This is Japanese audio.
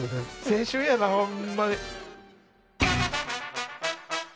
青春やなほんまに。